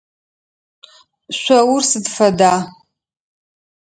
Шъоур сыд фэда?